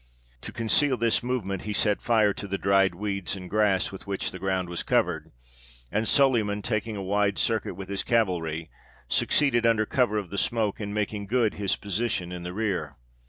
To conceal this movement, he set fire to the dried weeds and grass with which the ground was covered, and Soliman, taking a wide circuit with his cavalry, succeeded, under cover of the smoke, in making good his position in the rear.